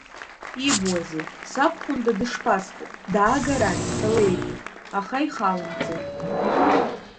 Ибуазеи, сабхәында дышԥасфо, дааг арахь, ҳәа леиҳәеит, аха ихалымҵеит.